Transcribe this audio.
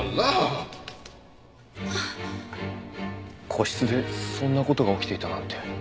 個室でそんな事が起きていたなんて。